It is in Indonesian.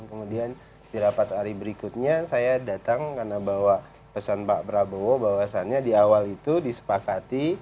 kemudian di rapat hari berikutnya saya datang karena bahwa pesan pak prabowo bahwasannya di awal itu disepakati